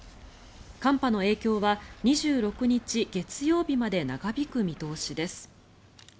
寒波の影響は２６日、月曜日まで長引く見通しです。